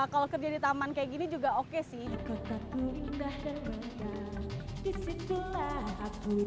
kalau kerja di taman kayak gini juga oke sih